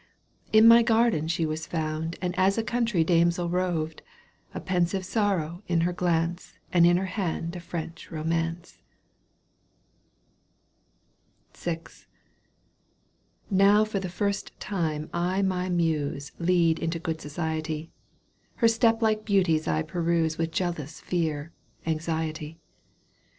in my garden was she found And as a country damsel roved, A pensive sorrow in her glance And in her hand a French romance. VI. Now for the first time I my Muse Lead into good society, Her steppe like beauties I peruse With jealous fear, anxiety.